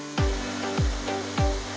dalam perp lemi